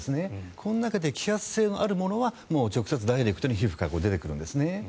この中で揮発性のあるものは直接ダイレクトに皮膚から出てくるんですね。